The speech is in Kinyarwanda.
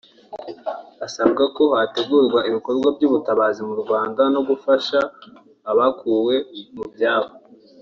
asaba ko hategurwa ibikorwa by’ubutabazi mu Rwanda no gufasha abakuwe mu byabo